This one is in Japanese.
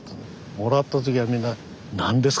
もらった時はみんな何ですか？